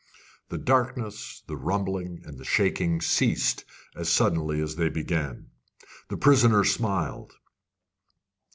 The darkness, the rumbling, and the shaking ceased as suddenly as they began. The prisoner smiled.